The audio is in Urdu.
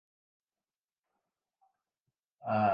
بس اللہ آپ کو خوش رکھے اور صحت دے۔